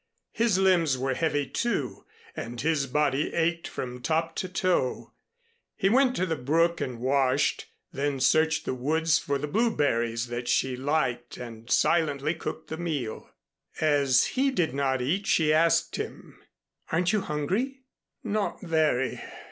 His limbs were heavy, too, and his body ached from top to toe; but he went to the brook and washed, then searched the woods for the blueberries that she liked and silently cooked the meal. As he did not eat she asked him, "Aren't you hungry?" "Not very."